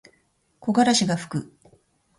木枯らしがふく。